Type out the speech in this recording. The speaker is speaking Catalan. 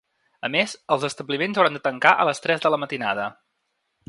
A més, els establiments hauran de tancar a les tres de la matinada.